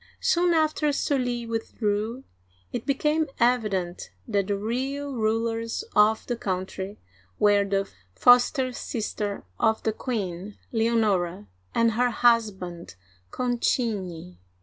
Soon after Sully withdrew, it became evident that the real rulers of the country were the foster sister of the queen, Leonora, and her husband, Concini (c5n chee'nee).